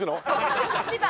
千葉。